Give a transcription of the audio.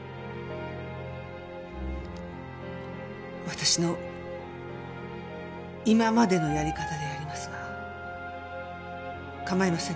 私の今までのやり方でやりますが構いませんね？